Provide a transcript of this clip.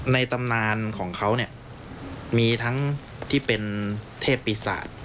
ตำนานของเขาเนี่ยมีทั้งที่เป็นเทพปีศาจ